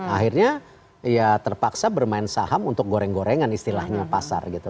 akhirnya ya terpaksa bermain saham untuk goreng gorengan istilahnya pasar gitu